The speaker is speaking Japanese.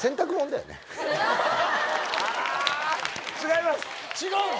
違います。